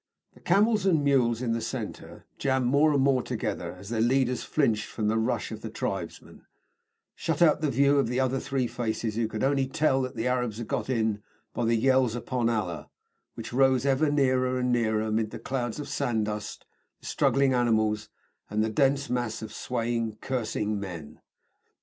The camels and mules in the centre, jammed more and more together as their leaders flinched from the rush of the tribesmen, shut out the view of the other three faces, who could only tell that the Arabs had got in by the yells upon Allah, which rose ever nearer and nearer amid the clouds of sand dust, the struggling animals, and the dense mass of swaying, cursing men.